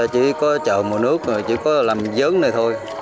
chỉ có chờ mùa nước chỉ có làm giớn này thôi